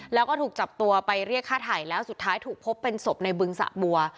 แล้วก็ถูกจับตัวไปเรียกค่าไถ่แล้วสุดท้ายถูกพบเป็นศพในบึงสะบัว